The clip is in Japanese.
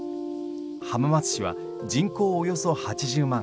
浜松市は人口およそ８０万。